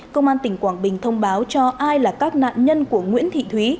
công an tỉnh quảng bình thông báo cho ai là các nạn nhân của nguyễn thị thúy